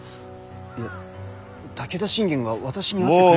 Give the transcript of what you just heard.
いや武田信玄が私に会ってくれる。